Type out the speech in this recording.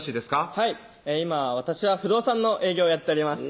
はい今私は不動産の営業をやっております